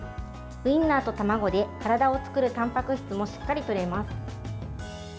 ウインナーと卵で体を作るたんぱく質もしっかり取れます。